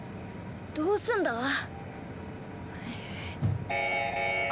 どうすんだ？